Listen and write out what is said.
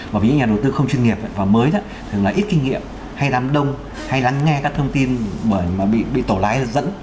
và vì những nhà đầu tư không chuyên nghiệp và mới thường là ít kinh nghiệm hay đám đông hay đám nghe các thông tin mà bị tổ lái dẫn